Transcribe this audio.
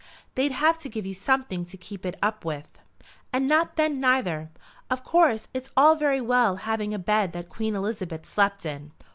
"They'd have to give you something to keep it up with." "And not then, neither. Of course it's all very well having a bed that Queen Elizabeth slept in."